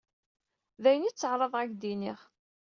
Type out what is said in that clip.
D ayen i ttɛaraḍeɣ ad k-d-iniɣ.